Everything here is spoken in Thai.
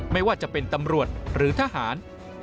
ไม่ว่าจะเป็นตำรวจหรือทหาร